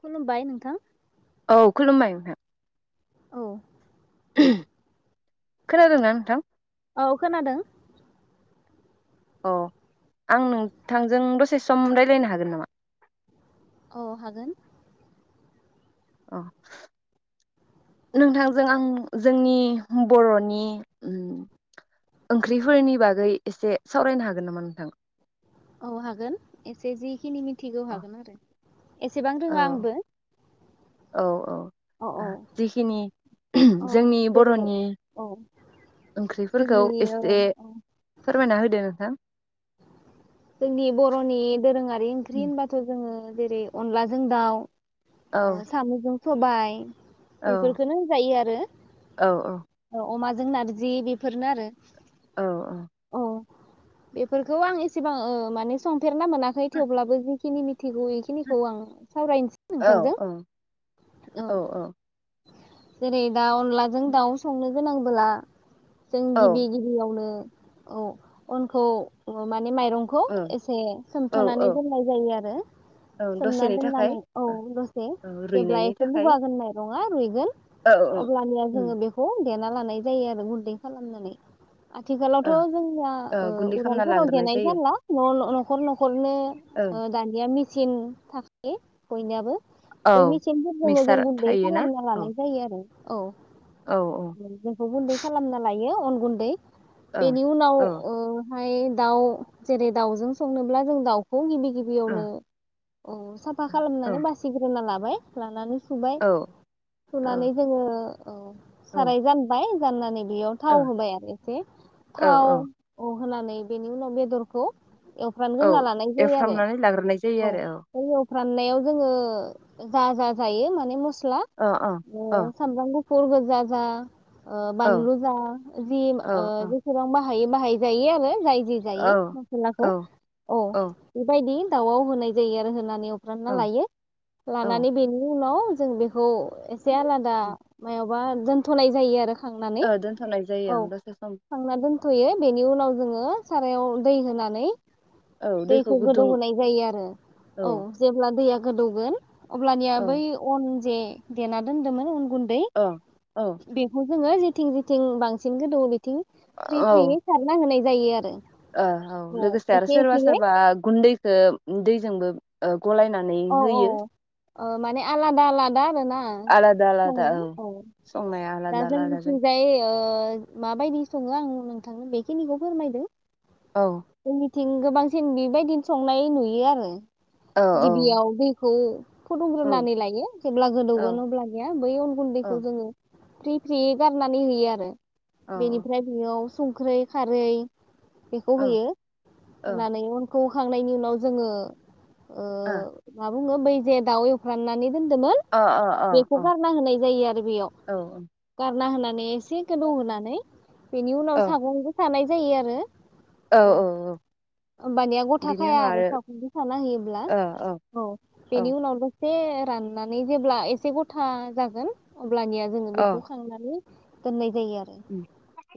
खुलुमबाय नोंथां। औ खुलुमबाय नोंथां। औ। खोनादोंना नोंथां? औ खोनादों। अ आं नोंथांजों दसे सम रायलायनो हागोन नामा? औ हागोन। औ नोंथांजों आं जोंनि बर'नि ओम ओंख्रिफोरनि बागै एसे सावरायनो हागोन नामा नोंथां? औ हागोन एसे जिखिनि मिथ थिगौ हागोन आरो एसेबां औ रोङा आंबो। औ औ औ औ जिखिनि औ जोंनि जेरै बर'नि औ ओंख्रिफोरखौ जोंनि औ एसे औ फोरमायना होदो नोंथां। जोंनि बर'नि दोरोङारि ओंख्रि होनबाथ' जोङो जेरै अनलाजों दाउ औ ओ सामजों सबाय औ बेफोरखौनो होनजायो आरो औ। अमाजों नारजि बेफोरनो आरो औ औ। बेफोरखौ आं एसे सिबां ओ माने सम फेरना मोनाखै थेवब्लाबो जि [unintelligible] थिखौ इखिनिखौ आं सावरायनोसै औ नोंथांजों औ औ। जेरै दा अनलाजों दाउ संनो गोनांबोला जों गिबि गिबियावनो औ अनखौ ने माइरंखौ एसे औ सोमथनानै औ दोननाय जायो आरो औ सोमना दसेनि थाखाय दोननानै औ दसे जेब्ला रुइनायनि एसे थाखाय बुगागोन माइरङा रुइगोन औ अब्लानिया उम जोङो बेखौ देना लानाय जायो आरो गुन्दै खालामनानै ओ आथिखालावथ' जोंनिया ओ गुन्दै उराल खालामना राव लाग्रोनाय देनाय जायो जानला नल नखर नखरनो ओं ओ दान्दिया सिम थाखायो बयनियाबो। औ बे मेसिनफोरजोंनो जों मिक्सार गुन्दै थायोना खालामना औ लानाय जायो आरो। औ। औ औ जोंखौ गुन्दै खालामना लाय बियो अन गुन्दै। औ बेनि उनाव औ ओ। [unintelligible] दाउ जेरै दाउजों संनोब्ला जों दाउखौ गिबि ओ गिबियावनो औ‌ साफा औ खालामनानै बासिग्रोना ला बाय लानानै सुबाय औ सुनानै जोङो ओ ओ साराय जानबाय। जाननानै बेयाव औ थाव होबाय आरो एसे थाव औ होनानै। बेनि उनाव बेदरखौ औ एवफ्रानग्रोना लानाय जायो एवफ्रामनानै लाग्रोनाय जायो आरो औ। राननायाव जोङो जा जा जायो माने मस स्ला औ ओ अ अ सामब्राम गु फुर‌‌ गोजाजा। ओ‌ अ बानलु जा जि औ ओ औ जेसेबां बा बाहाय जायो आरो जाय औ होजायो औ मस्लाखौ औ बेबायदि। दाउआव होनाय जायो आरो होनानै। फ्रामना औ लायो औ लानानै बेनि उनाव। जों बेखौ एसे आलादा मा बा दोनथनाय जायो आरो खांनानै ओ दोनथ'नाय जायो औ ओं दसे सम खांना दोनथयो। बेनि उनाव जोङो। सारायाव दै होनानै। औ दैखौ गोदौ गुदुं होनाय जायो आरो औ जेब्ला दैया गोदौगोन। अब्लानिया बै औ अन जे देना दोनदोमोन [unintelligible] गुन्दै औ औ बिहु जोङो जेथिं जेथिं बांसिन गोदौवो बिथिं फ्रि औ फ्रियै सारना होनाय जायो आरो ओ औ लोगोसे आरो एसे सोरबा एसेयै सोरबा गुन्दैखो दैजोंबो ओ गलायनानै होयो अ माने आलादा आला दा आरोना आलादा आलादा संनाया औ संनाया दा आलादा आलादा जायो जोंनिथिंजाय ओ माबायदि सङो आं नोंथांनो बेखिनिखौ फोरमायदों। औ थिं गोबांसिन बेबायदिनो संनाय नुयो आरो औ गिबियाव दैखौ औ फुदुंग्रोनानै लायो जेब्ला गोदौगोन औ अब्लानिया बै अन औ गुन्दैखौ जोङो फ्रि फ्रियै गारनानै होयो आरो औ बेनिफ्राय बेयाव संख्रै खारै बेखौ औ होयो ओ होनानै [unintelligible] खौ होखांनायनि उनाव जोङो ओ मा बुङो बै जे दाउ एवफ्राननानै अ औ [unintelligible] गारना होनाय जायो आरो बेयाव गारना होना [unintelligible] [unintelligible] होनानै बेनि औ उनाव सागंदो सानाय जायो आरो औ औ औ ओमबानिया बिनि गथाखाया उनाव आरो सागंदो साना होयोब्ला औ बेनि औ उनाव [unintelligible] एसे राननानै जेब्ला एसे गथा जागोन अब्लानिया जोङो औ बेखौ खांनानै दोननाय जायो आरो उम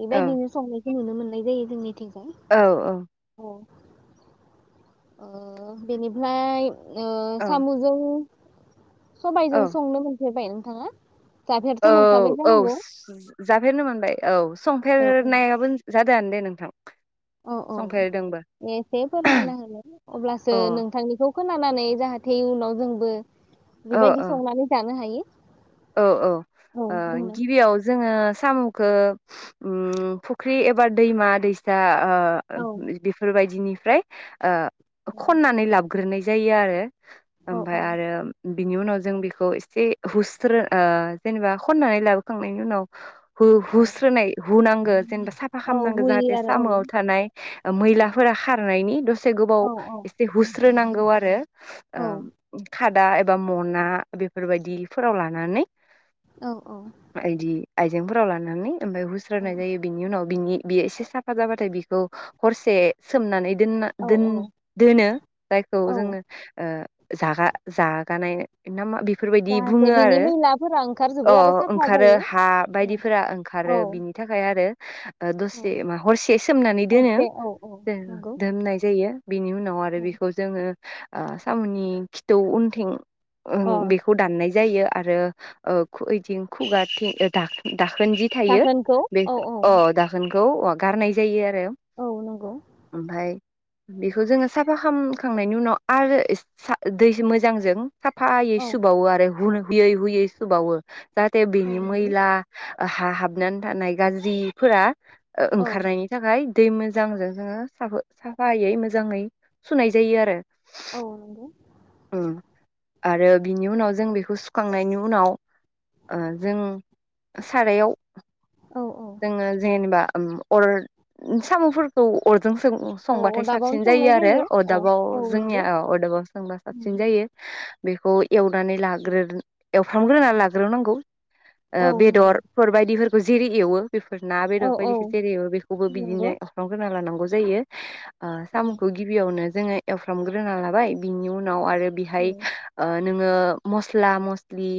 बेबायदिनो संनाय नुनो मोननाय जायो जोंनिथिं। औ-औ। अ ओ बेनिफ्राय ओ औ सामुजों सबायाइजों संनो मोनफेरबाय नोंथाङा जाफेरथ' मोनखाबाय औ-औ जानांगौ जाफेरनो मोनबाय औ औ संफेरनायाबो। द दे नोंथां। औ-औ संफेरदोंबो एसे फोरमायना होलाय अब्लासो अ नोंथांनिखौ। खोनानानै जाहाथे उनाव जोंबो। बेबायदि संनानै जानो हायो। औ-औ ओ औ बुंलाय गिबियाव जोङो साम खौ। उ फुख्रि एबार दैमा-दैसा। ओ औ बेफोरबायदिनि। ओमफ्राय। ओ खननानै लाबग्रोनाय ज। जायो आरो। औ औ ओमफाय आरो। बिनि उनाव जों बेखौ एसे हुस। सोर ओ जेनेबा खननानै लाबोखांनायनि उनाव। हु औ हुस्रोनाय हुनांगौ जेनेबा साफा औ खालामनांगौ होयो जाहाथे आरो साम आव थानाय औ मैलाफोरा खारनायनि दसे गोबाव औ एसे हुस्रोनांगौ आरो औ खा। दा एबा मना बेफोरबायदि। फोराव लानानै। औ आदि आ। जेंफोराव लानानै। ओमफ्रायाय औ हुस्रायनाय जायो बेनि उनाव। बिनि बेयो एसे साफा जाबाथाय बिखौ हरसे सोमनानै दोनना औ दोन औ दोनो जायखौ औ जोङो। जागा जागानाय ना मा बेफोरबायदि जाहाथे बुङो बिनि आरो मैलाफोरा ओंखारजोबो अ आरो साफा ओंखारो जायो हा औ बायदिफोरा ओंखारो औ बिनि थाखाय आरो। ओ दसे औ मा हरसे सोमनानै दोनो हरसे औ औ नंगौ दोमनाय जायो बिनि उनाव आरो बेखौ जोङो ओ साम'नि खिथौ उनथिं ओं अ बेखौ दान्नाय जायो आरो ओ खु यैथिं खुगाथिं दाख दाखोन जि थायो थाखोनखौ बे औ औ अ दाखोन खौ गारनाय जायो आर रो औ नंगौ ओमफाय बेखौ जोंङो साफा खामखांनायनि उनाव एस-सा दैज मोजां जों साफायै औ सुबावो आरो गुन-हुयै हुयै सुबावो। जाहाथे औ बिनि नंगौ मैला हा हाबनानै थानाय गाज्रिफोरा ओ औ ओंखारनायनि थाखाय दै मोजांजों जोंङो साबो साफायै मोजांङै सुनाय जायो आरो। औे नंगौ। उम आरो बिनि उनाव जों बेखौ सुखांनायनि उनाव ओ जों सारायाव औ औ जोंङो जेनेबा ओम अर साम'फोरखौ अर जों सों औ संबाथाय अदाबावनो साबसिन जायो संनाय आरो औ अरदाबाव औ जोंनिया नंगौ औ अरदाबाव सोंबा साब उम यो बेखौ एवनानै लाग्रो एवफ्रामग्रोनानै लाग्रोनांगौ औ ओ नंगौ बेदरफोर बायदिफोर जेरि एवो बेफोर ना बेदर औ औ बायदिखो जेरैबो बेखौबो बिदिनो नंगौ एवफ्रामग्रोना लानांगौ जायो। ओ औ साम'खौ गिबियावनो जोंङो एवफ्रामग्रोना लाबाय बिनि उन नाव आरो औ बिहाय ओ नोंङो मस स्ला-मस्लि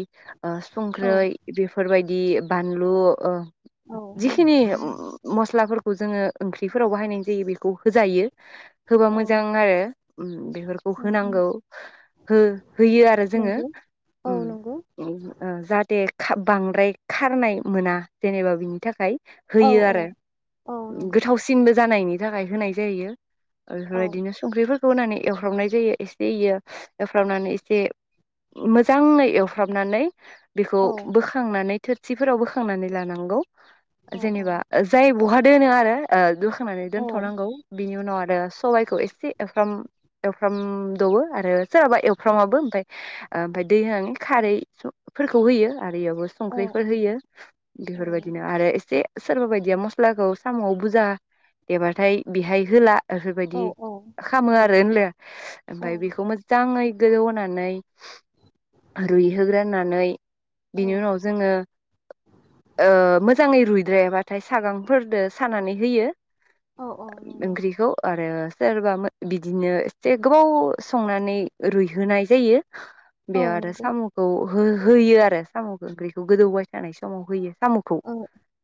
ओ औ संख्रै बेफोरबाय दि बानलु ओ जिखिनि उम-उम मस्लाफोर खौ जोंङो ओंख्रिफोराव बाहायनाय जायो बेखौ होजायो। होबा औ मोजां आरो उम बेफोरखौ औ होनांगौ। हो-होयो आरो जोंङो नंगौ औ उम नंगौ उम ओ जाहाथे जे खा बांद्राय खारनाय मोना जेनेबा बिनि थाखाय औ होयो औ आरो औ नंगौ गोथावसिनबो जानायनि। जागायहोनाय जायो। औ बेफोरबायदिनो संख्रिफोर होनानै एवफ्रामनाय जायो एस एयो एवफ्रामनानै एसे मोजाङै एवफ्रामनानै बेखौ औ बोखांनानै थोरसिफोराव बोखांनानै लानांगौ। औ जेनेबा जाय बहा दोनो आरो ओ खांनानै औ दोनथ'नांगौ बिनि उनाव आरो ओ सबाइखौ एसे एवफ्राम एवफ्राम दौवो आरो सोरहाबा एवफ्रामाबो ओमफाय ओमफ्राय दै [unintelligible] खारैफोरखौ होयो। आरो इयावबो संख्रिफोर होयो औ बेफोरबायदिनो आरो एसे सोरबा बायदिया मस्लाखौ साम'आव बुजा देबाथाय बेहाय होला औ इफोरबायदि खामो नंगौ आरो होनला औ ओमफाय बेखौ मोजां ङै गोदौ होनानै रुइहोग्रोनानै औ बिनि उनाव जोङो ओ मोजाङै रुइ रेबाथाय सागंफोरदो सानानै होयो। औ नंगौ ओंख्रिखौ आरो सोरबा बिदिनो एसे गोबाव संनानै रुइहोनाय जायो। औ बेयाव आरो नंगौ सामुखौ हो-होयो आरो साम'ओंख्रिखौ गोदौबाय थानाय समाव होयो। साम'खौ औ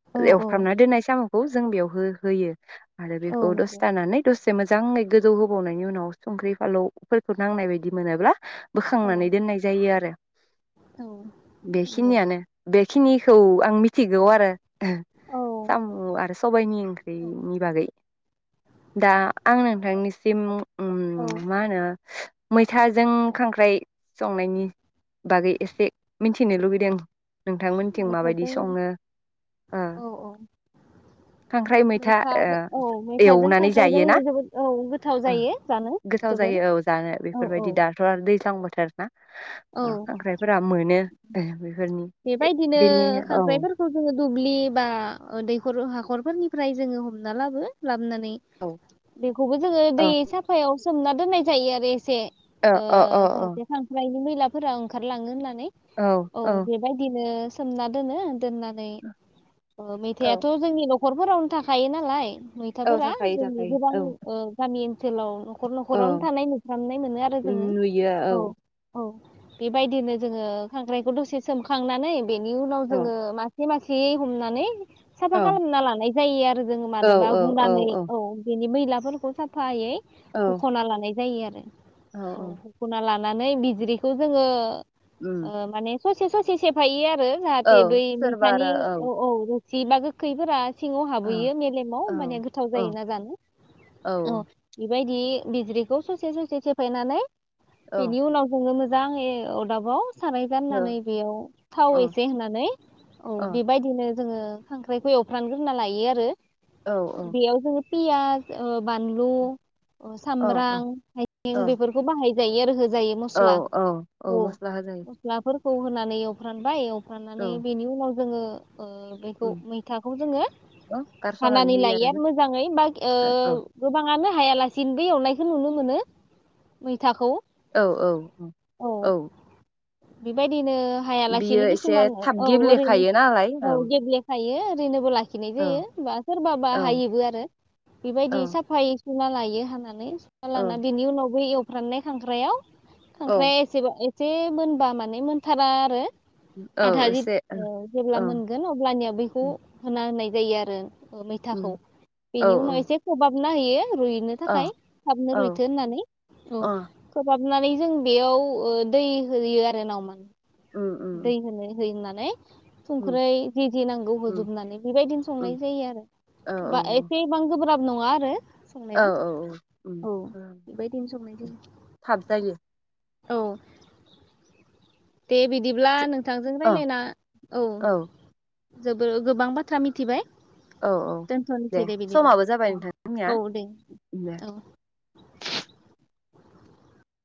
औ नंगौ एवफ्रामना औ दोननाय साम' खौ जों बेयाव हो-होयो। आरो औ बेखौ दसे थानानै दसे जे मोजाङै गोजौ होबावनायनि उनाव संख्रि फालौफोरखौ नांनाय बायदि मोनाब्ला बोखांनानै दोननाय जायो आरो नंगौ बेखिनियानो बे खिनिखौ आं मिथिगौ आरो। औ साम' आरो सबायनि औ ओंख्रिनि बागै दा आं नोंथांनि सिम उ औ मा होनो। मैथाजों खांख्राइ संनायनि बागै एसे मिथिनो लुगैदों नोंथांमोनथिं माबायदि मैथाजों सङो ओ औ औ खांख्राइ मैथा ओ मैथाजों औ मैथाजों एवनानै खांख्राइजों जायोना जोबोद औ गोथाव ओ जायो जानो गोथाव जोबोर जायो औ जानो औ औ बेफोरबायदि दाथ' आरो दैज्लां बोथोर ना औ खांख्रायफोरा मोनो बेफोरनि बेबायदिनो बेनि औ खांख्राइफोरखौ जोङो दुब्लि बा दैखर हाखरफोरनिफ्राय जोङो हमना लाबो लाबनानै औ बेखौबो जोङो ओ दै साफायाव सोमना दोननाय जायो आरो एसे अ ओ अ अ औ जाथे खांख्रायनि सिलाफोरा ओंखारलाङो होननानै नै औ बिदिनो सोमना दोनो दोननानै औ मैथायाथ' जोंनि न'खरफोरावनो थाखायो नालाय औ मैथाफोरा थाखायो जोंनि गोबां थाखायो औ गामि ओनसोलाव न'खर औ न'खरावनो थानाय नुसनाय मोनो आरो जोङो औ औ बेबायदिनो जोङो खांख्रायखौ दसे सोमखांनानै बेनि उनाव औ जोङो मासे मासेयै हमनानै साफा औ खालामना लानाय जायो आरो जोङो औ मादोबा औ हुनानै औ बि मैलाफोरखौ साफायै औ हुखना लानाय जायो आरो औ अ औ हुुना ला लानानै बिज्रिखौ जोङो उम ओ माने ससे ससे सेफायो औ जाहाथे बै सोरबा मैथानि आरो औ औ जेबा गोखैफोरा सिङाव औ हाबहैयो मेलेमाव औ माने गोथाव औ जायो ना जानो औ बेबायदि बिज्रिखौ ससे ससे सेेफायनानै औ बेनि उनाव संनो मोजां मोजाङै अदाबाव सानाय जायो। औ नै बेयाव थाव औ एसे होननानै औ बेबायदिनो जोङो खांख्राइखौ एवफ्रामग्रोना लायो आरो। बेयाव जों पियाज ओ बानलु अ सामब्राम हायजें बेफोरखौ बाहायो। जायो आरो हो औ औ औ मस्ला होजायो। खौ होनानै एवफ्रामबाय औ फ्रामनानै बेनि उनाव जोंङो ओ बेखौ मैथाखौ जोङो औ गारस'नानै हानानै होयो लायो आरोना आरो मोजाङै बा ओ औ गोबाङानो हायालासिनोबो एवनायखौ नुनो मोनो मैथाखौ। औ औ औ औ। बेबायदि हाया बियो लासेनो एसे किसुम थाब औ ओरैनो गेब्लेखायो नालाय औ गेब्ला खायो। बेयो ओरैनोबोला खिनाय औ जायो सोरबा औ बाहायोबो आरो बेबायदि औ साफाय सुना लायो हानानै औ लाना बिनि उनावबो एव फ्रामनाय खांख्रायाव औ खांख्राय एसेबा जे मोनबा माने बे मोनथारा आरो आधा औ जि एसे औ जेब्ला औ मोनगोन अब्लानिया बैखौ औ होना होननाय जायो आरो मैथाखौ औ बेनि उनाव एसे प्रभाब होना होयो रुइनो थाखाय थाबनो रुइथो होननानै औ अ खोबाब नानै जों बेयाव दै होयो आरो नावमान। उ दै होनो होनानै नै संख्रै जे जे नांगौ होजोबनानै बेबायदिनो संनाय जायो आरो औ ओमबा औ एसेबां गोब्राब नङा औ संनायाव औ औ बेबायदिनो संनाय जायो थाब जा औ दे बिदिब्ला जो- नोंथांजों औ राय्लायना औ जोबोर गोबां बाथ्रा मिथिबाय औ औ दे दोनथ'नोसै बिदिब्ला समाबो जाबाय औ नोंथां जोंनिया औ दे दे औ